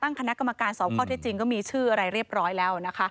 คณะกรรมการสอบข้อเท็จจริงก็มีชื่ออะไรเรียบร้อยแล้วนะคะ